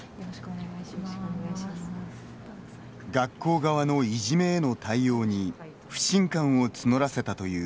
学校側のいじめへの対応に不信感を募らせたという